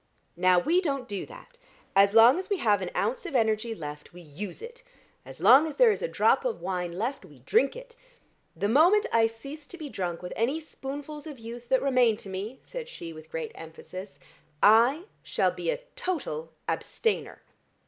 Now, we don't do that; as long as we have an ounce of energy left we use it, as long as there is a drop of wine left we drink it. The moment I cease to be drunk with any spoonfuls of youth that remain to me," said she with great emphasis, "I shall be a total abstainer.